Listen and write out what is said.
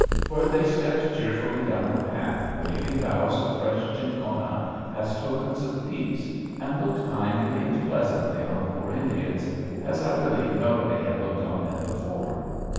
For they stepped cheerfully down the path, waving boughs of fresh cinchona as tokens of peace, and looking kindly and pleasantly on the poor Indians, as I believe nobody had looked on them before.